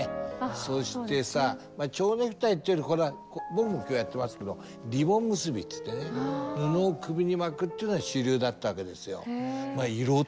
そしてさ蝶ネクタイっていうより僕も今日やってますけどリボン結びっていってね布を首に巻くっていうのが主流だったわけですよ。